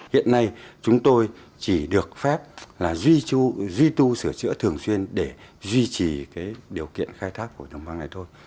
hiện nay chúng tôi chỉ được phép là duy tu sửa chữa thường xuyên để duy trì cái điều kiện khai thác của đồng băng này thôi